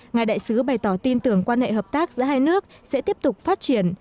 ngài đại sứ bày tỏ tin tưởng quan hệ hợp tác giữa hai nước sẽ tiếp tục phát triển